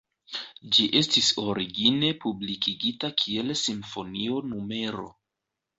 Ĝi estis origine publikigita kiel "Simfonio No.